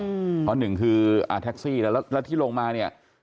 เพราะหนึ่งคือแท็กซี่แล้วแล้วที่ลงมาเนี่ย